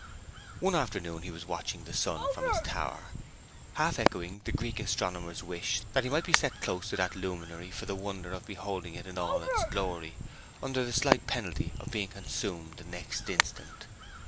One afternoon he was watching the sun from his tower, half echoing the Greek astronomer's wish that he might be set close to that luminary for the wonder of beholding it in all its glory, under the slight penalty of being consumed the next instant.